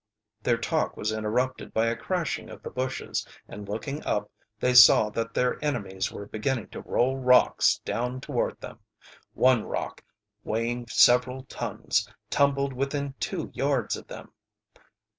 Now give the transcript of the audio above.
Their talk was interrupted by a crashing of the bushes, and looking up they saw that their enemies were beginning to roll rocks down toward them. One rock, weighing several tons, tumbled within two yards of them.